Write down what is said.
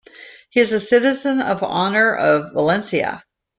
He is a Citizen of Honour of Valencia.